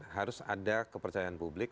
harus ada kepercayaan publik